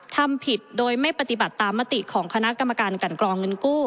ทำผิดโดยไม่ปฏิบัติตามมติของคณะกรรมการกันกรองเงินกู้